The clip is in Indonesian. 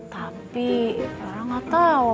tapi rora gak tau